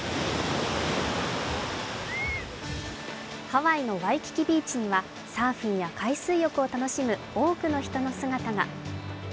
ハワイのワイキキビーチにはサーフィンや海水浴を楽しむ多くの人の姿が。